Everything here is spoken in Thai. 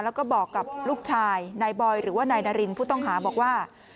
แล้วก็บอกกับลูกชายนายบอยหรือว่านายนารินผู้ต้องหาบอกว่า